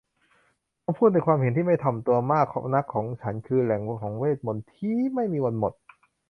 คำพูดในความเห็นที่ไม่ถ่อมตัวมากนักของฉันคือแหล่งของเวทมนตร์ที้ไม่มีวันหมด